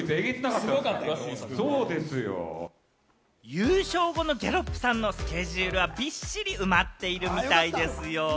優勝後のギャロップさんのスケジュールはびっしり埋まっているみたいですよ！